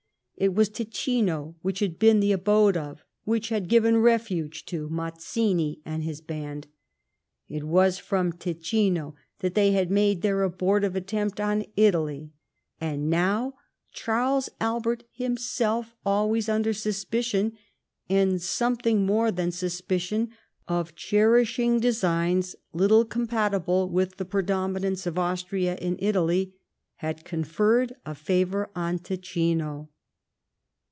It N 2 180 LIFE OF PBINCE METTEBNICH. was Ticino whicli bad been tbe abode of, wbich bad given refuge to, Mazzini and bis band. It was from Ticino tbat tbey bad made tbcir abortive attempt on Italy ; and now, Cbarles Albert, bimself always under suspicion, and sometbing more tban suspicion, of cberisbing designs little compatible witb tbe predominance of Austria in Italy, had conferred a favour on Ticino.